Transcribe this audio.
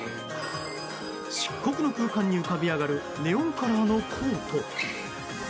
漆黒の空間に浮かび上がるネオンカラーのコート。